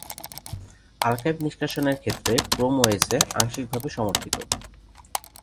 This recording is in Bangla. আর্কাইভ নিষ্কাশনের ক্ষেত্রে ক্রোম ওএস এ আংশিকভাবে সমর্থিত।